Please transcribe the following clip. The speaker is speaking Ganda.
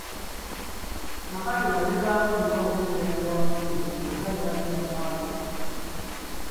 Nakato yagezezzaako nnyo okwegayirira bamusonyiwe kyokka ne bagenda mu maaso n’okumukuba.